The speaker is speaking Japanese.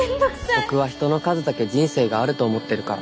ボクは人の数だけ人生があると思ってるから。